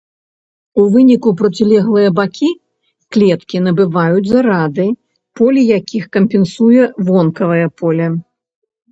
У выніку процілеглыя бакі клеткі набываюць зарады, поле якіх кампенсуе вонкавае поле.